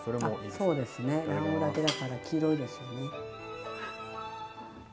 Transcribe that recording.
そうですね卵黄だけだから黄色いですよね。